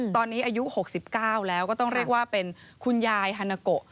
ตอนนี้อายุ๖๙แล้วก็ต้องเรียกว่าเป็นคุณยายฮานาโกะ